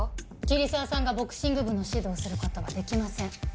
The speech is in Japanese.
桐沢さんがボクシング部の指導をする事はできません。